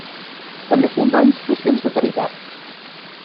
També fundà institucions de caritat.